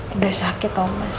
udah sakit thomas